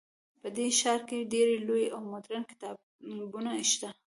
په دې ښار کې ډیر لوی او مدرن کتابتونونه شته